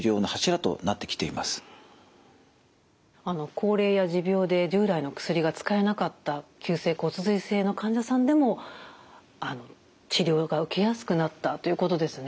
高齢や持病で従来の薬が使えなかった急性骨髄性の患者さんでも治療が受けやすくなったということですね。